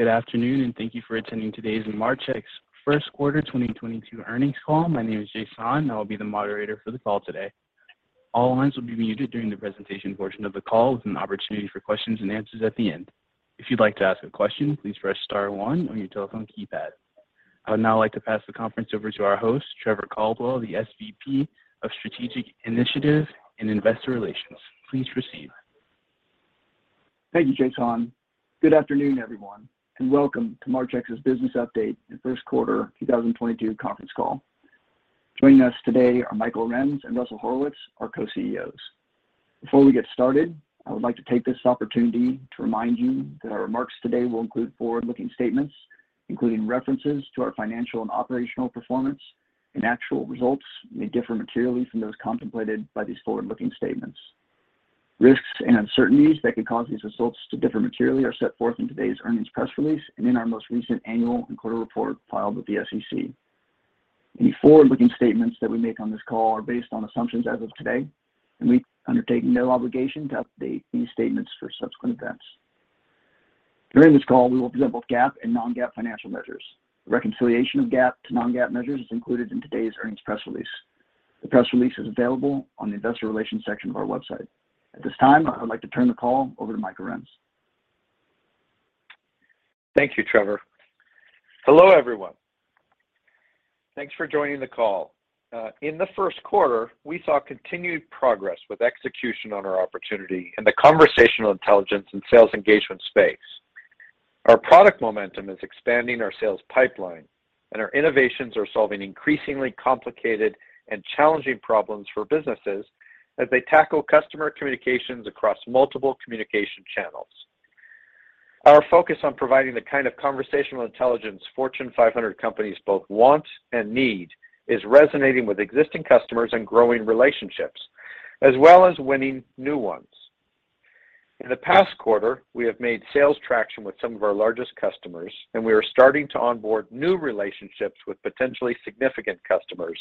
Good afternoon, and thank you for attending today's Marchex first quarter 2022 earnings call. My name is Jason, and I'll be the moderator for the call today. All lines will be muted during the presentation portion of the call with an opportunity for questions and answers at the end. If you'd like to ask a question, please press star one on your telephone keypad. I would now like to pass the conference over to our host, Trevor Caldwell, the SVP of Strategic Initiatives & Investor Relations. Please proceed. Thank you, Jason. Good afternoon, everyone, and welcome to Marchex's business update and first quarter 2022 conference call. Joining us today are Michael Arends and Russell Horowitz, our Co-CEOs. Before we get started, I would like to take this opportunity to remind you that our remarks today will include forward-looking statements, including references to our financial and operational performance, and actual results may differ materially from those contemplated by these forward-looking statements. Risks and uncertainties that could cause these results to differ materially are set forth in today's earnings press release and in our most recent annual and quarterly report filed with the SEC. Any forward-looking statements that we make on this call are based on assumptions as of today, and we undertake no obligation to update these statements for subsequent events. During this call, we will present both GAAP and non-GAAP financial measures. The reconciliation of GAAP to non-GAAP measures is included in today's earnings press release. The press release is available on the investor relations section of our website. At this time, I would like to turn the call over to Michael Arends. Thank you, Trevor. Hello, everyone. Thanks for joining the call. In the first quarter, we saw continued progress with execution on our opportunity in the conversational intelligence and sales engagement space. Our product momentum is expanding our sales pipeline, and our innovations are solving increasingly complicated and challenging problems for businesses as they tackle customer communications across multiple communication channels. Our focus on providing the kind of conversational intelligence Fortune 500 companies both want and need is resonating with existing customers and growing relationships, as well as winning new ones. In the past quarter, we have made sales traction with some of our largest customers, and we are starting to onboard new relationships with potentially significant customers,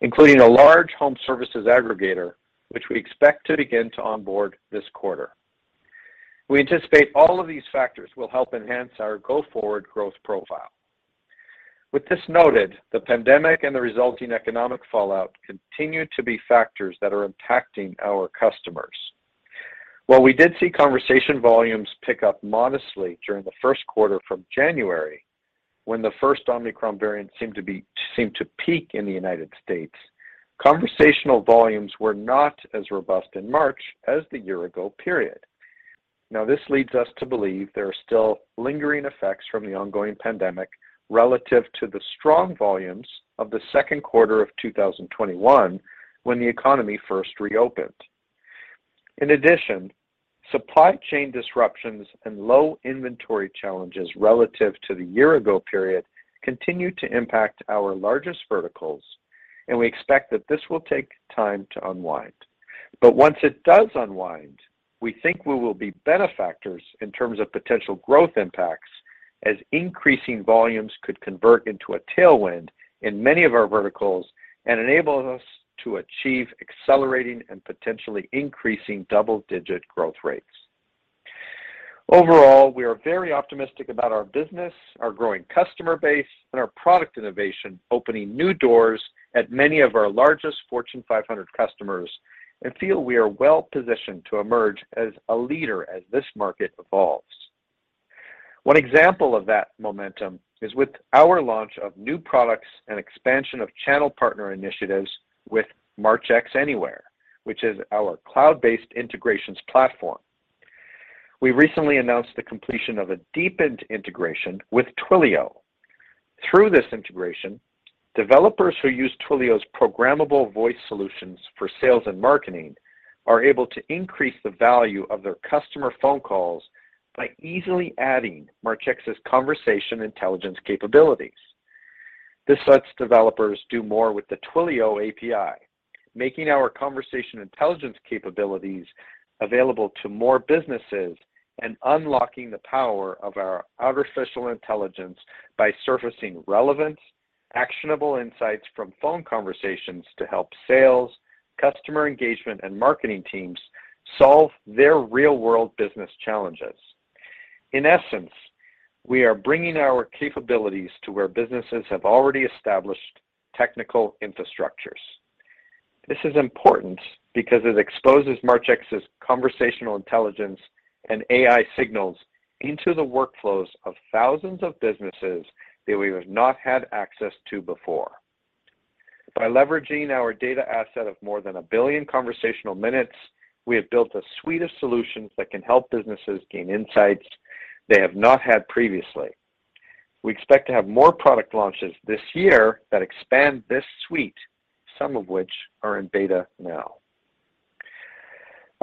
including a large home services aggregator, which we expect to begin to onboard this quarter. We anticipate all of these factors will help enhance our go-forward growth profile. With this noted, the pandemic and the resulting economic fallout continue to be factors that are impacting our customers. While we did see conversation volumes pick up modestly during the first quarter from January, when the first Omicron variant seemed to peak in the United States, conversational volumes were not as robust in March as the year-ago period. Now this leads us to believe there are still lingering effects from the ongoing pandemic relative to the strong volumes of the second quarter of 2021 when the economy first reopened. In addition, supply chain disruptions and low inventory challenges relative to the year-ago period continue to impact our largest verticals, and we expect that this will take time to unwind. Once it does unwind, we think we will be benefactors in terms of potential growth impacts as increasing volumes could convert into a tailwind in many of our verticals and enable us to achieve accelerating and potentially increasing double-digit growth rates. Overall, we are very optimistic about our business, our growing customer base, and our product innovation opening new doors at many of our largest Fortune 500 customers and feel we are well-positioned to emerge as a leader as this market evolves. One example of that momentum is with our launch of new products and expansion of channel partner initiatives with Marchex Anywhere, which is our cloud-based integrations platform. We recently announced the completion of a deepened integration with Twilio. Through this integration, developers who use Twilio's Programmable Voice solutions for sales and marketing are able to increase the value of their customer phone calls by easily adding Marchex's conversational intelligence capabilities. This lets developers do more with the Twilio API, making our conversational intelligence capabilities available to more businesses and unlocking the power of our artificial intelligence by surfacing relevant, actionable insights from phone conversations to help sales, customer engagement, and marketing teams solve their real-world business challenges. In essence, we are bringing our capabilities to where businesses have already established technical infrastructures. This is important because it exposes Marchex's conversational intelligence and AI signals into the workflows of thousands of businesses that we have not had access to before. By leveraging our data asset of more than 1 billion conversational minutes, we have built a suite of solutions that can help businesses gain insights they have not had previously. We expect to have more product launches this year that expand this suite, some of which are in beta now.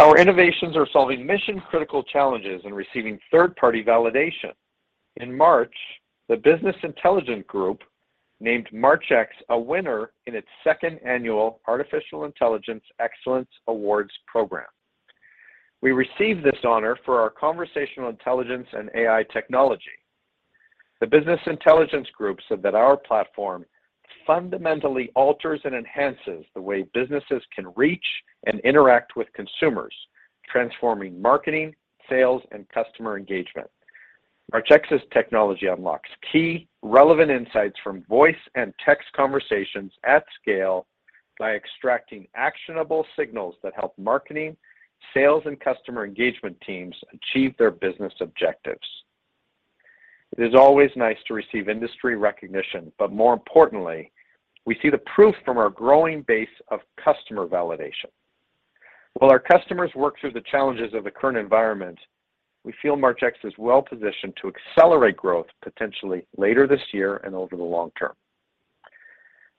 Our innovations are solving mission-critical challenges and receiving third-party validation. In March, the Business Intelligence Group named Marchex a winner in its second annual Artificial Intelligence Excellence Awards program. We received this honor for our conversational intelligence and AI technology. The Business Intelligence Group said that our platform fundamentally alters and enhances the way businesses can reach and interact with consumers, transforming marketing, sales, and customer engagement. Marchex's technology unlocks key relevant insights from voice and text conversations at scale by extracting actionable signals that help marketing, sales, and customer engagement teams achieve their business objectives. It is always nice to receive industry recognition, but more importantly, we see the proof from our growing base of customer validation. While our customers work through the challenges of the current environment, we feel Marchex is well-positioned to accelerate growth potentially later this year and over the long term.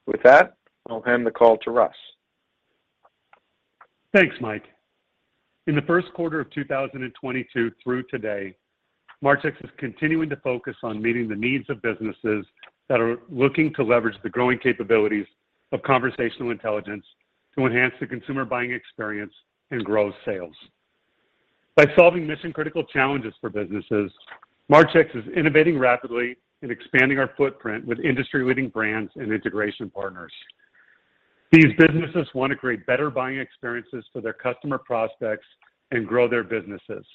With that, I'll hand the call to Russ. Thanks, Mike. In the first quarter of 2022 through today, Marchex is continuing to focus on meeting the needs of businesses that are looking to leverage the growing capabilities of conversational intelligence to enhance the consumer buying experience and grow sales. By solving mission-critical challenges for businesses, Marchex is innovating rapidly and expanding our footprint with industry-leading brands and integration partners. These businesses want to create better buying experiences for their customer prospects and grow their businesses.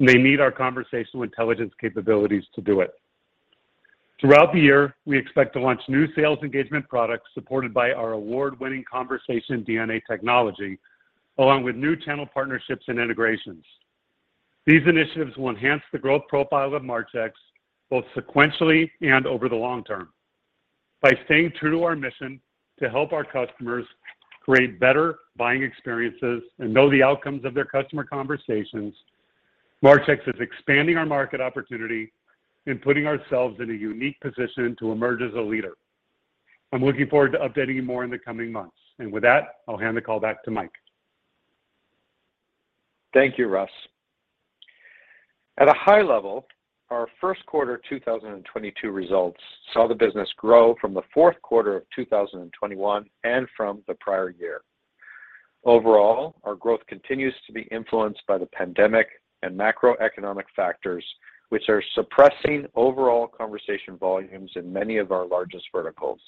They need our conversational intelligence capabilities to do it. Throughout the year, we expect to launch new sales engagement products supported by our award-winning Conversation DNA technology, along with new channel partnerships and integrations. These initiatives will enhance the growth profile of Marchex both sequentially and over the long term. By staying true to our mission to help our customers create better buying experiences and know the outcomes of their customer conversations, Marchex is expanding our market opportunity and putting ourselves in a unique position to emerge as a leader. I'm looking forward to updating you more in the coming months. With that, I'll hand the call back to Mike. Thank you, Russ. At a high level, our first quarter 2022 results saw the business grow from the fourth quarter of 2021 and from the prior year. Overall, our growth continues to be influenced by the pandemic and macroeconomic factors, which are suppressing overall conversation volumes in many of our largest verticals.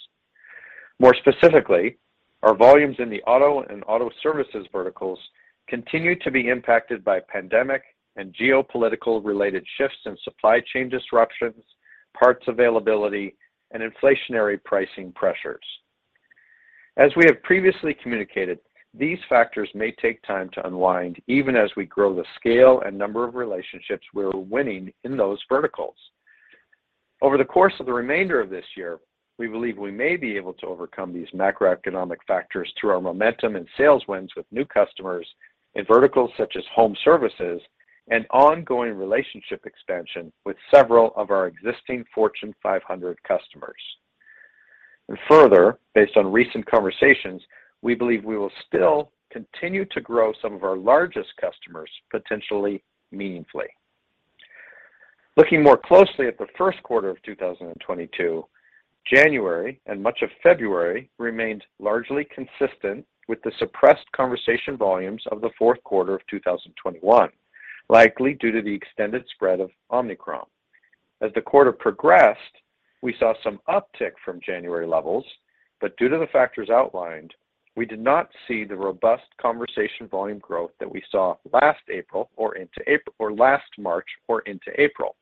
More specifically, our volumes in the auto and auto services verticals continue to be impacted by pandemic and geopolitical-related shifts in supply chain disruptions, parts availability, and inflationary pricing pressures. As we have previously communicated, these factors may take time to unwind even as we grow the scale and number of relationships we're winning in those verticals. Over the course of the remainder of this year, we believe we may be able to overcome these macroeconomic factors through our momentum and sales wins with new customers in verticals such as home services and ongoing relationship expansion with several of our existing Fortune 500 customers. Further, based on recent conversations, we believe we will still continue to grow some of our largest customers potentially meaningfully. Looking more closely at the first quarter of 2022, January and much of February remained largely consistent with the suppressed conversation volumes of the fourth quarter of 2021, likely due to the extended spread of Omicron. As the quarter progressed, we saw some uptick from January levels, but due to the factors outlined, we did not see the robust conversation volume growth that we saw last April or last March or into April.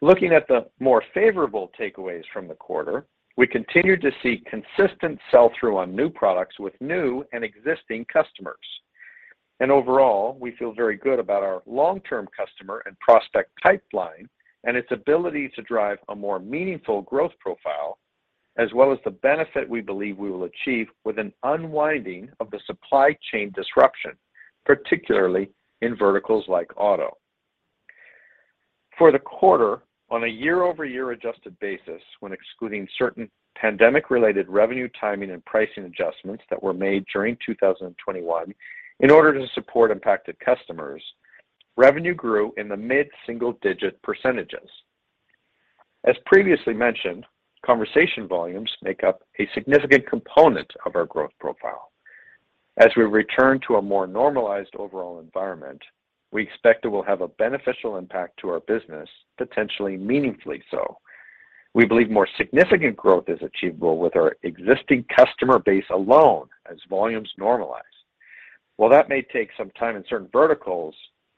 Looking at the more favorable takeaways from the quarter, we continued to see consistent sell-through on new products with new and existing customers. Overall, we feel very good about our long-term customer and prospect pipeline and its ability to drive a more meaningful growth profile as well as the benefit we believe we will achieve with an unwinding of the supply chain disruption, particularly in verticals like auto. For the quarter, on a year-over-year adjusted basis when excluding certain pandemic-related revenue timing and pricing adjustments that were made during 2021 in order to support impacted customers, revenue grew in the mid-single-digit percentages. As previously mentioned, conversation volumes make up a significant component of our growth profile. As we return to a more normalized overall environment, we expect it will have a beneficial impact to our business, potentially meaningfully so. We believe more significant growth is achievable with our existing customer base alone as volumes normalize. While that may take some time in certain verticals,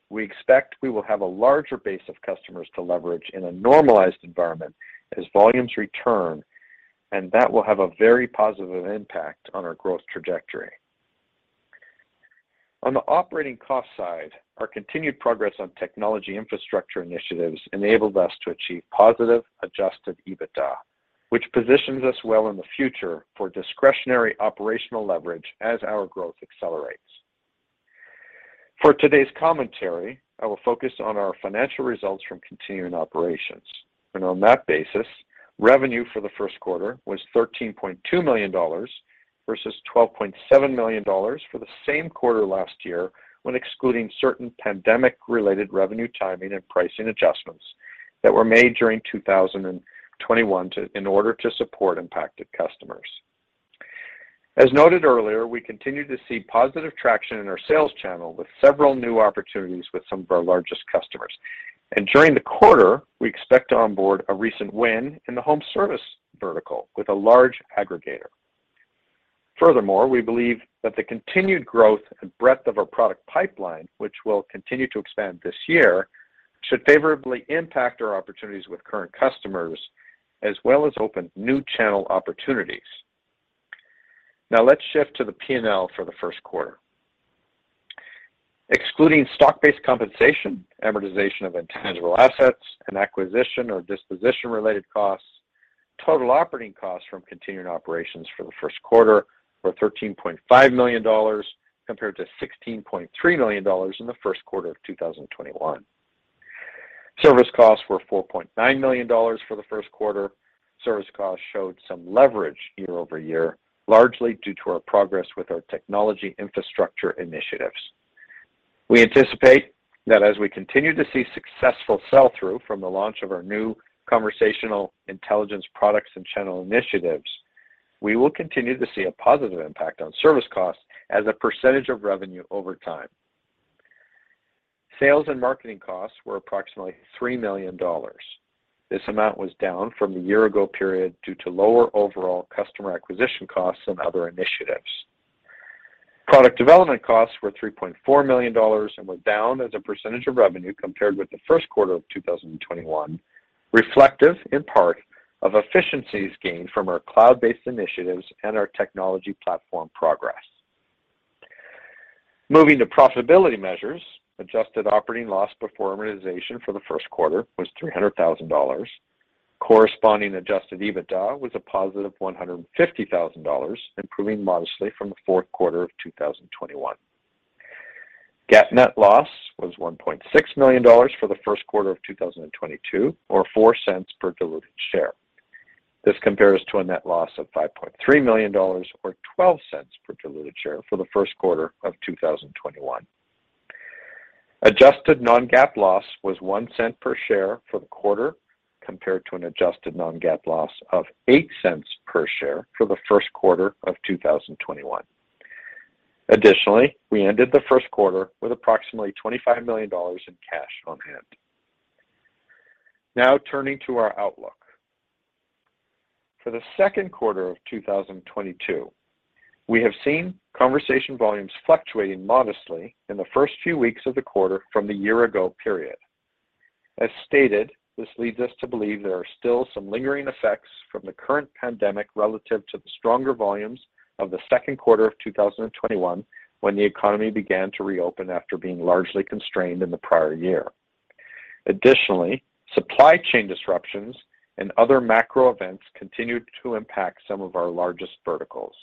we expect we will have a larger base of customers to leverage in a normalized environment as volumes return, and that will have a very positive impact on our growth trajectory. On the operating cost side, our continued progress on technology infrastructure initiatives enabled us to achieve positive Adjusted EBITDA, which positions us well in the future for discretionary operational leverage as our growth accelerates. For today's commentary, I will focus on our financial results from continuing operations. On that basis, revenue for the first quarter was $13.2 million versus $12.7 million for the same quarter last year when excluding certain pandemic-related revenue timing and pricing adjustments that were made during 2021 to, in order to support impacted customers. As noted earlier, we continue to see positive traction in our sales channel with several new opportunities with some of our largest customers. During the quarter, we expect to onboard a recent win in the home service vertical with a large aggregator. Furthermore, we believe that the continued growth and breadth of our product pipeline, which will continue to expand this year, should favorably impact our opportunities with current customers as well as open new channel opportunities. Now let's shift to the P&L for the first quarter. Excluding stock-based compensation, amortization of intangible assets, and acquisition or disposition-related costs, total operating costs from continuing operations for the first quarter were $13.5 million compared to $16.3 million in the first quarter of 2021. Service costs were $4.9 million for the first quarter. Service costs showed some leverage year-over-year, largely due to our progress with our technology infrastructure initiatives. We anticipate that as we continue to see successful sell-through from the launch of our new conversational intelligence products and channel initiatives, we will continue to see a positive impact on service costs as a percentage of revenue over time. Sales and marketing costs were approximately $3 million. This amount was down from the year-ago period due to lower overall customer acquisition costs and other initiatives. Product development costs were $3.4 million and were down as a percentage of revenue compared with the first quarter of 2021, reflective in part of efficiencies gained from our cloud-based initiatives and our technology platform progress. Moving to profitability measures, adjusted operating loss before amortization for the first quarter was $300 thousand. Corresponding Adjusted EBITDA was a +$150,000, improving modestly from the fourth quarter of 2021. GAAP net loss was $1.6 million for the first quarter of 2022, or $0.04 per diluted share. This compares to a net loss of $5.3 million or $0.12 per diluted share for the first quarter of 2021. Adjusted non-GAAP loss was $0.01 per share for the quarter, compared to an adjusted non-GAAP loss of $0.08 per share for the first quarter of 2021. Additionally, we ended the first quarter with approximately $25 million in cash on hand. Now turning to our outlook. For the second quarter of 2022, we have seen conversation volumes fluctuating modestly in the first few weeks of the quarter from the year-ago period. As stated, this leads us to believe there are still some lingering effects from the current pandemic relative to the stronger volumes of the second quarter of 2021 when the economy began to reopen after being largely constrained in the prior year. Additionally, supply chain disruptions and other macro events continued to impact some of our largest verticals.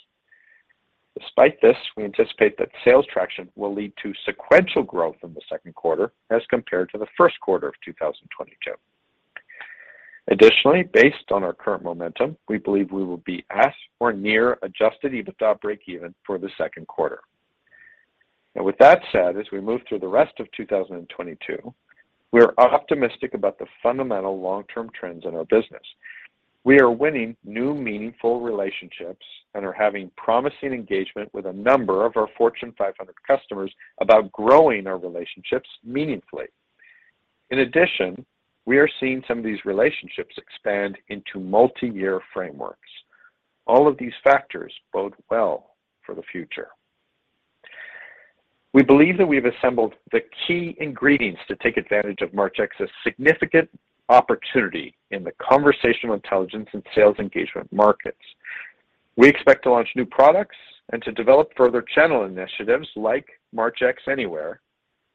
Despite this, we anticipate that sales traction will lead to sequential growth in the second quarter as compared to the first quarter of 2022. Additionally, based on our current momentum, we believe we will be at or near Adjusted EBITDA breakeven for the second quarter. Now with that said, as we move through the rest of 2022, we are optimistic about the fundamental long-term trends in our business. We are winning new meaningful relationships and are having promising engagement with a number of our Fortune 500 customers about growing our relationships meaningfully. In addition, we are seeing some of these relationships expand into multiyear frameworks. All of these factors bode well for the future. We believe that we've assembled the key ingredients to take advantage of Marchex's significant opportunity in the conversational intelligence and sales engagement markets. We expect to launch new products and to develop further channel initiatives like Marchex Anywhere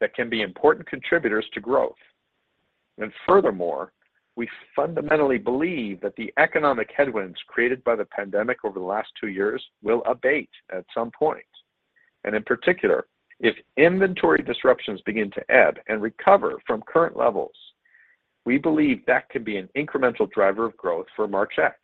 that can be important contributors to growth. Furthermore, we fundamentally believe that the economic headwinds created by the pandemic over the last two years will abate at some point. In particular, if inventory disruptions begin to ebb and recover from current levels, we believe that could be an incremental driver of growth for Marchex.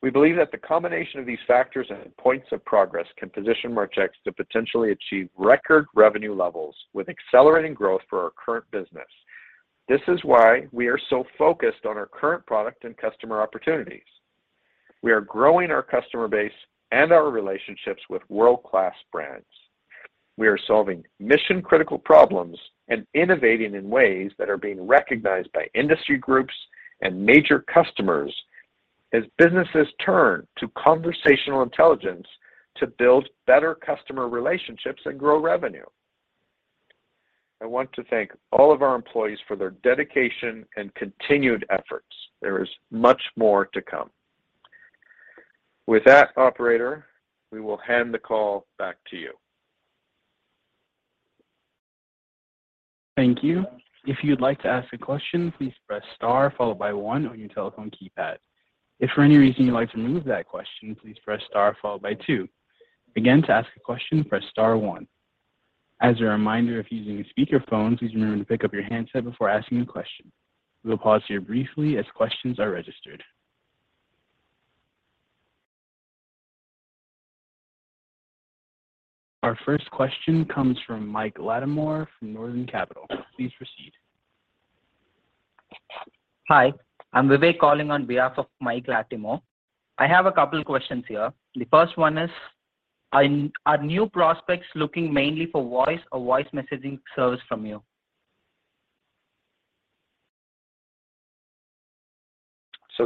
We believe that the combination of these factors and points of progress can position Marchex to potentially achieve record revenue levels with accelerating growth for our current business. This is why we are so focused on our current product and customer opportunities. We are growing our customer base and our relationships with world-class brands. We are solving mission-critical problems and innovating in ways that are being recognized by industry groups and major customers as businesses turn to conversational intelligence to build better customer relationships and grow revenue. I want to thank all of our employees for their dedication and continued efforts. There is much more to come. With that, operator, we will hand the call back to you. Thank you. If you'd like to ask a question, please press star followed by one on your telephone keypad. If for any reason you'd like to remove that question, please press star followed by two. Again, to ask a question, press star one. As a reminder, if using a speakerphone, please remember to pick up your handset before asking a question. We will pause here briefly as questions are registered. Our first question comes from Mike Latimore from Northland Capital Markets. Please proceed. Hi, I'm Vive calling on behalf of Mike Latimore. I have a couple questions here. The first one is, are new prospects looking mainly for voice or voice messaging service from you?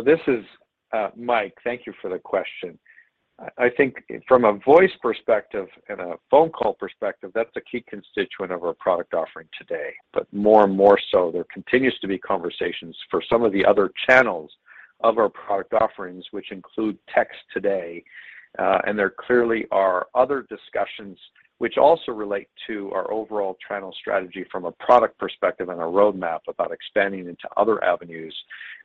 This is Mike. Thank you for the question. I think from a voice perspective and a phone call perspective, that's a key constituent of our product offering today. More and more so there continues to be conversations for some of the other channels of our product offerings, which include text today. And there clearly are other discussions which also relate to our overall channel strategy from a product perspective and a roadmap about expanding into other avenues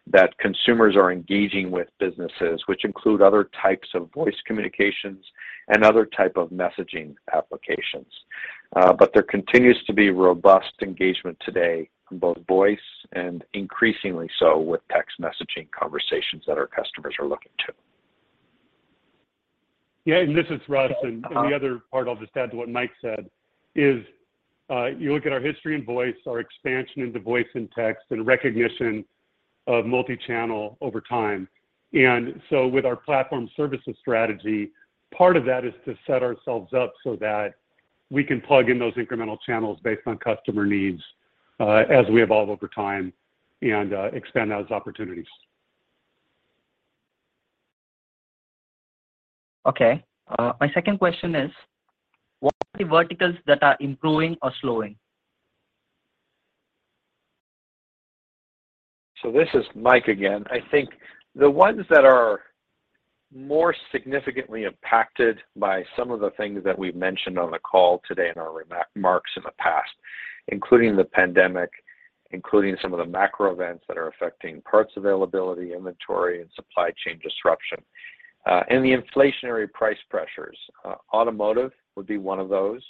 that consumers are engaging with businesses, which include other types of voice communications and other type of messaging applications. But there continues to be robust engagement today in both voice and increasingly so with text messaging conversations that our customers are looking to. Yeah, this is Russ. The other part I'll just add to what Mike said is you look at our history in voice, our expansion into voice and text and recognition of multi-channel over time. With our platform services strategy, part of that is to set ourselves up so that we can plug in those incremental channels based on customer needs, as we evolve over time and expand those opportunities. Okay. My second question is: What are the verticals that are improving or slowing? This is Mike again. I think the ones that are more significantly impacted by some of the things that we've mentioned on the call today in our remarks in the past, including the pandemic, including some of the macro events that are affecting parts availability, inventory, and supply chain disruption, and the inflationary price pressures. Automotive would be one of those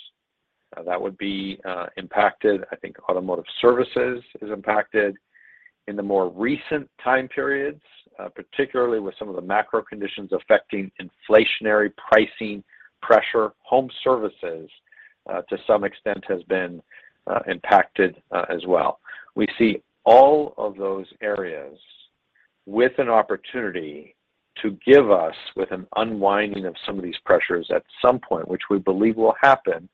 that would be impacted. I think automotive services is impacted. In the more recent time periods, particularly with some of the macro conditions affecting inflationary pricing pressure, home services to some extent has been impacted as well. We see all of those areas with an opportunity to give us with an unwinding of some of these pressures at some point, which we believe will happen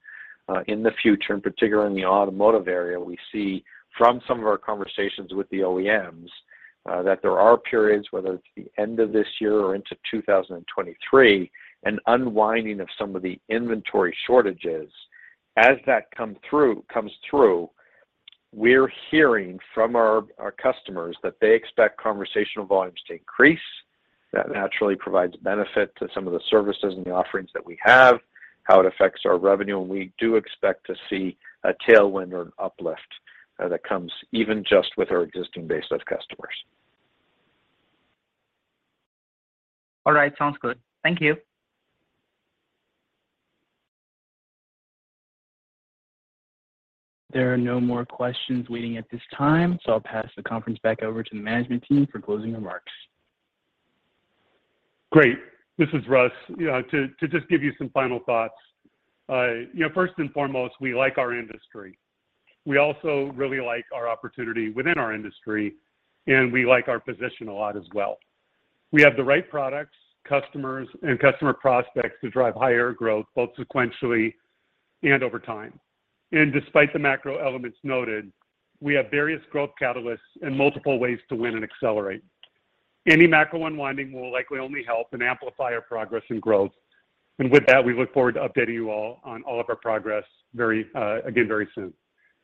in the future, and particularly in the automotive area. We see from some of our conversations with the OEMs that there are per iods, whether it's the end of this year or into 2023, an unwinding of some of the inventory shortages. As that comes through, we're hearing from our customers that they expect conversational volumes to increase. That naturally provides benefit to some of the services and the offerings that we have, how it affects our revenue, and we do expect to see a tailwind or an uplift that comes even just with our existing base of customers. All right. Sounds good. Thank you. There are no more questions waiting at this time, so I'll pass the conference back over to the management team for closing remarks. Great. This is Russ. You know, to just give you some final thoughts. You know, first and foremost, we like our industry. We also really like our opportunity within our industry, and we like our position a lot as well. We have the right products, customers, and customer prospects to drive higher growth, both sequentially and over time. Despite the macro elements noted, we have various growth catalysts and multiple ways to win and accelerate. Any macro unwinding will likely only help and amplify our progress and growth. With that, we look forward to updating you all on all of our progress very, again, very soon.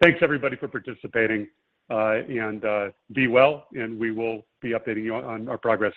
Thanks everybody for participating, and be well, and we will be updating you on our progress going forward.